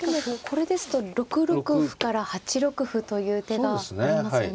これですと６六歩から８六歩という手がありますよね。